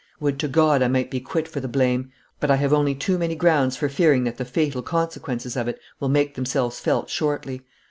Would to God I might be quit for the blame, but I have only too many grounds for fearing that the fatal consequences of it will make themselves felt shortly.